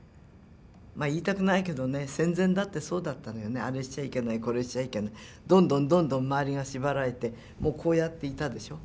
まあ言いたくないけどね戦前だってそうだったのよねあれしちゃいけないこれしちゃいけないどんどんどんどん周りが縛られてもうこうやっていたでしょ。